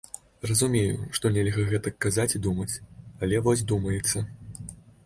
Разумею, што нельга гэтак казаць і думаць, але вось думаецца.